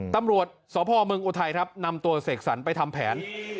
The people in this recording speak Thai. ตำรวจสพเมืองอุทัยครับนำตัวเสกสรรไปทำแผน